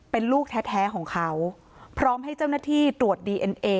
เป็นลูกแท้ของเขาพร้อมให้เจ้าหน้าที่ตรวจดีเอ็นเอ